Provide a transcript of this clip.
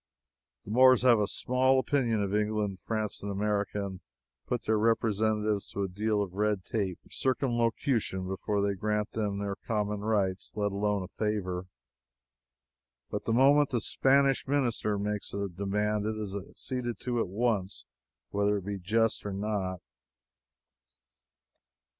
The Moors have a small opinion of England, France, and America, and put their representatives to a deal of red tape circumlocution before they grant them their common rights, let alone a favor. But the moment the Spanish minister makes a demand, it is acceded to at once, whether it be just or not.